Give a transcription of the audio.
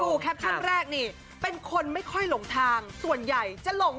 อุ้ยเคยขับสิบล้อป่ะเนี่ย